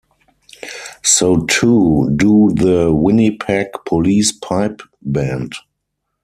So too do the Winnipeg Police Pipe Band.